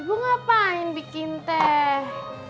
ibu ngapain bikin teh